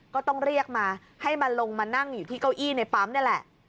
ก็ต้องเรียกมาให้มาลงมานั่งอยู่ที่เก้าอี้ในปั๊มนี่แหละ